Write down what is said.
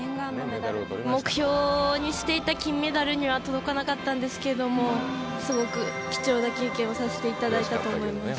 目標にしていた金メダルには届かなかったんですけども、すごく貴重な経験をさせていただいたと思います。